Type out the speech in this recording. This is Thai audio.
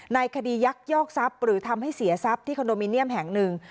ในคดียักษ์ยอกซับหรือทำให้เสียซับที่คณมิเนี่ยมแห่งหนึ่ง